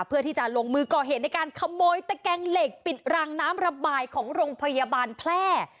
เพื่อที่จะลงมือก่อเหตุในการขโมยตะแกงเหล็กปิดรางน้ำระบายของโรงพยาบาลแพร่